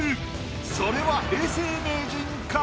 それは永世名人か？